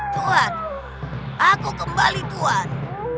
tuan aku kembali tuan